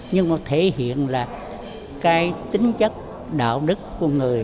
nhưng nó thể hiện là cái tính chất đạo đức